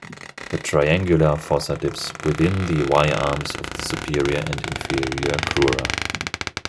The triangular fossa dips within the Y-arms of the superior and inferior crura.